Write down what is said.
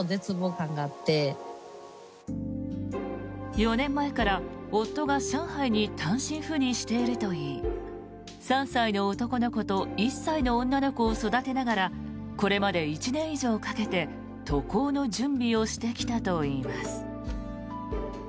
４年前から夫が上海に単身赴任しているといい３歳の男の子と１歳の女の子を育てながらこれまで１年以上かけて渡航の準備をしてきたといいます。